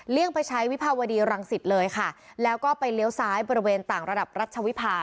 ไปใช้วิภาวดีรังสิตเลยค่ะแล้วก็ไปเลี้ยวซ้ายบริเวณต่างระดับรัชวิภา